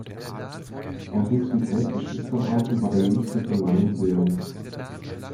Er wuchs mit elf Geschwistern auf und war der jüngste von neun Söhnen.